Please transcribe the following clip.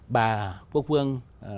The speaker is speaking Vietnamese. bà quốc vương